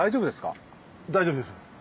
大丈夫です。